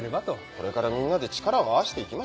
これからみんなで力を合わせていきましょうよ。